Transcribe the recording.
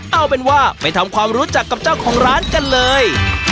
เอาเป็นว่าไปทำความรู้จักกับเจ้าของร้านกันเลย